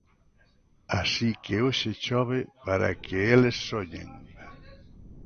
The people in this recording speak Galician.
Así que hoxe chove para que eles soñen.